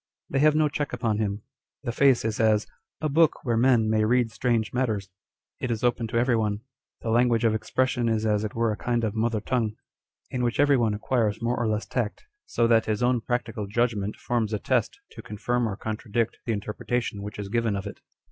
They have no check upon him. The face is as " a book where men may read strange matters :" it is open to every one : the lan guage of expression is as it were a kind of mother tongue, in which every one acquires more or less tact, so that his own practical judgment forms a test to confirm or contra dict the interpretation which is given of it.